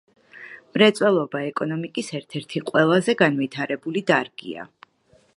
მრეწველობა ეკონომიკის ერთ-ერთი ყველაზე განვითარებული დარგია.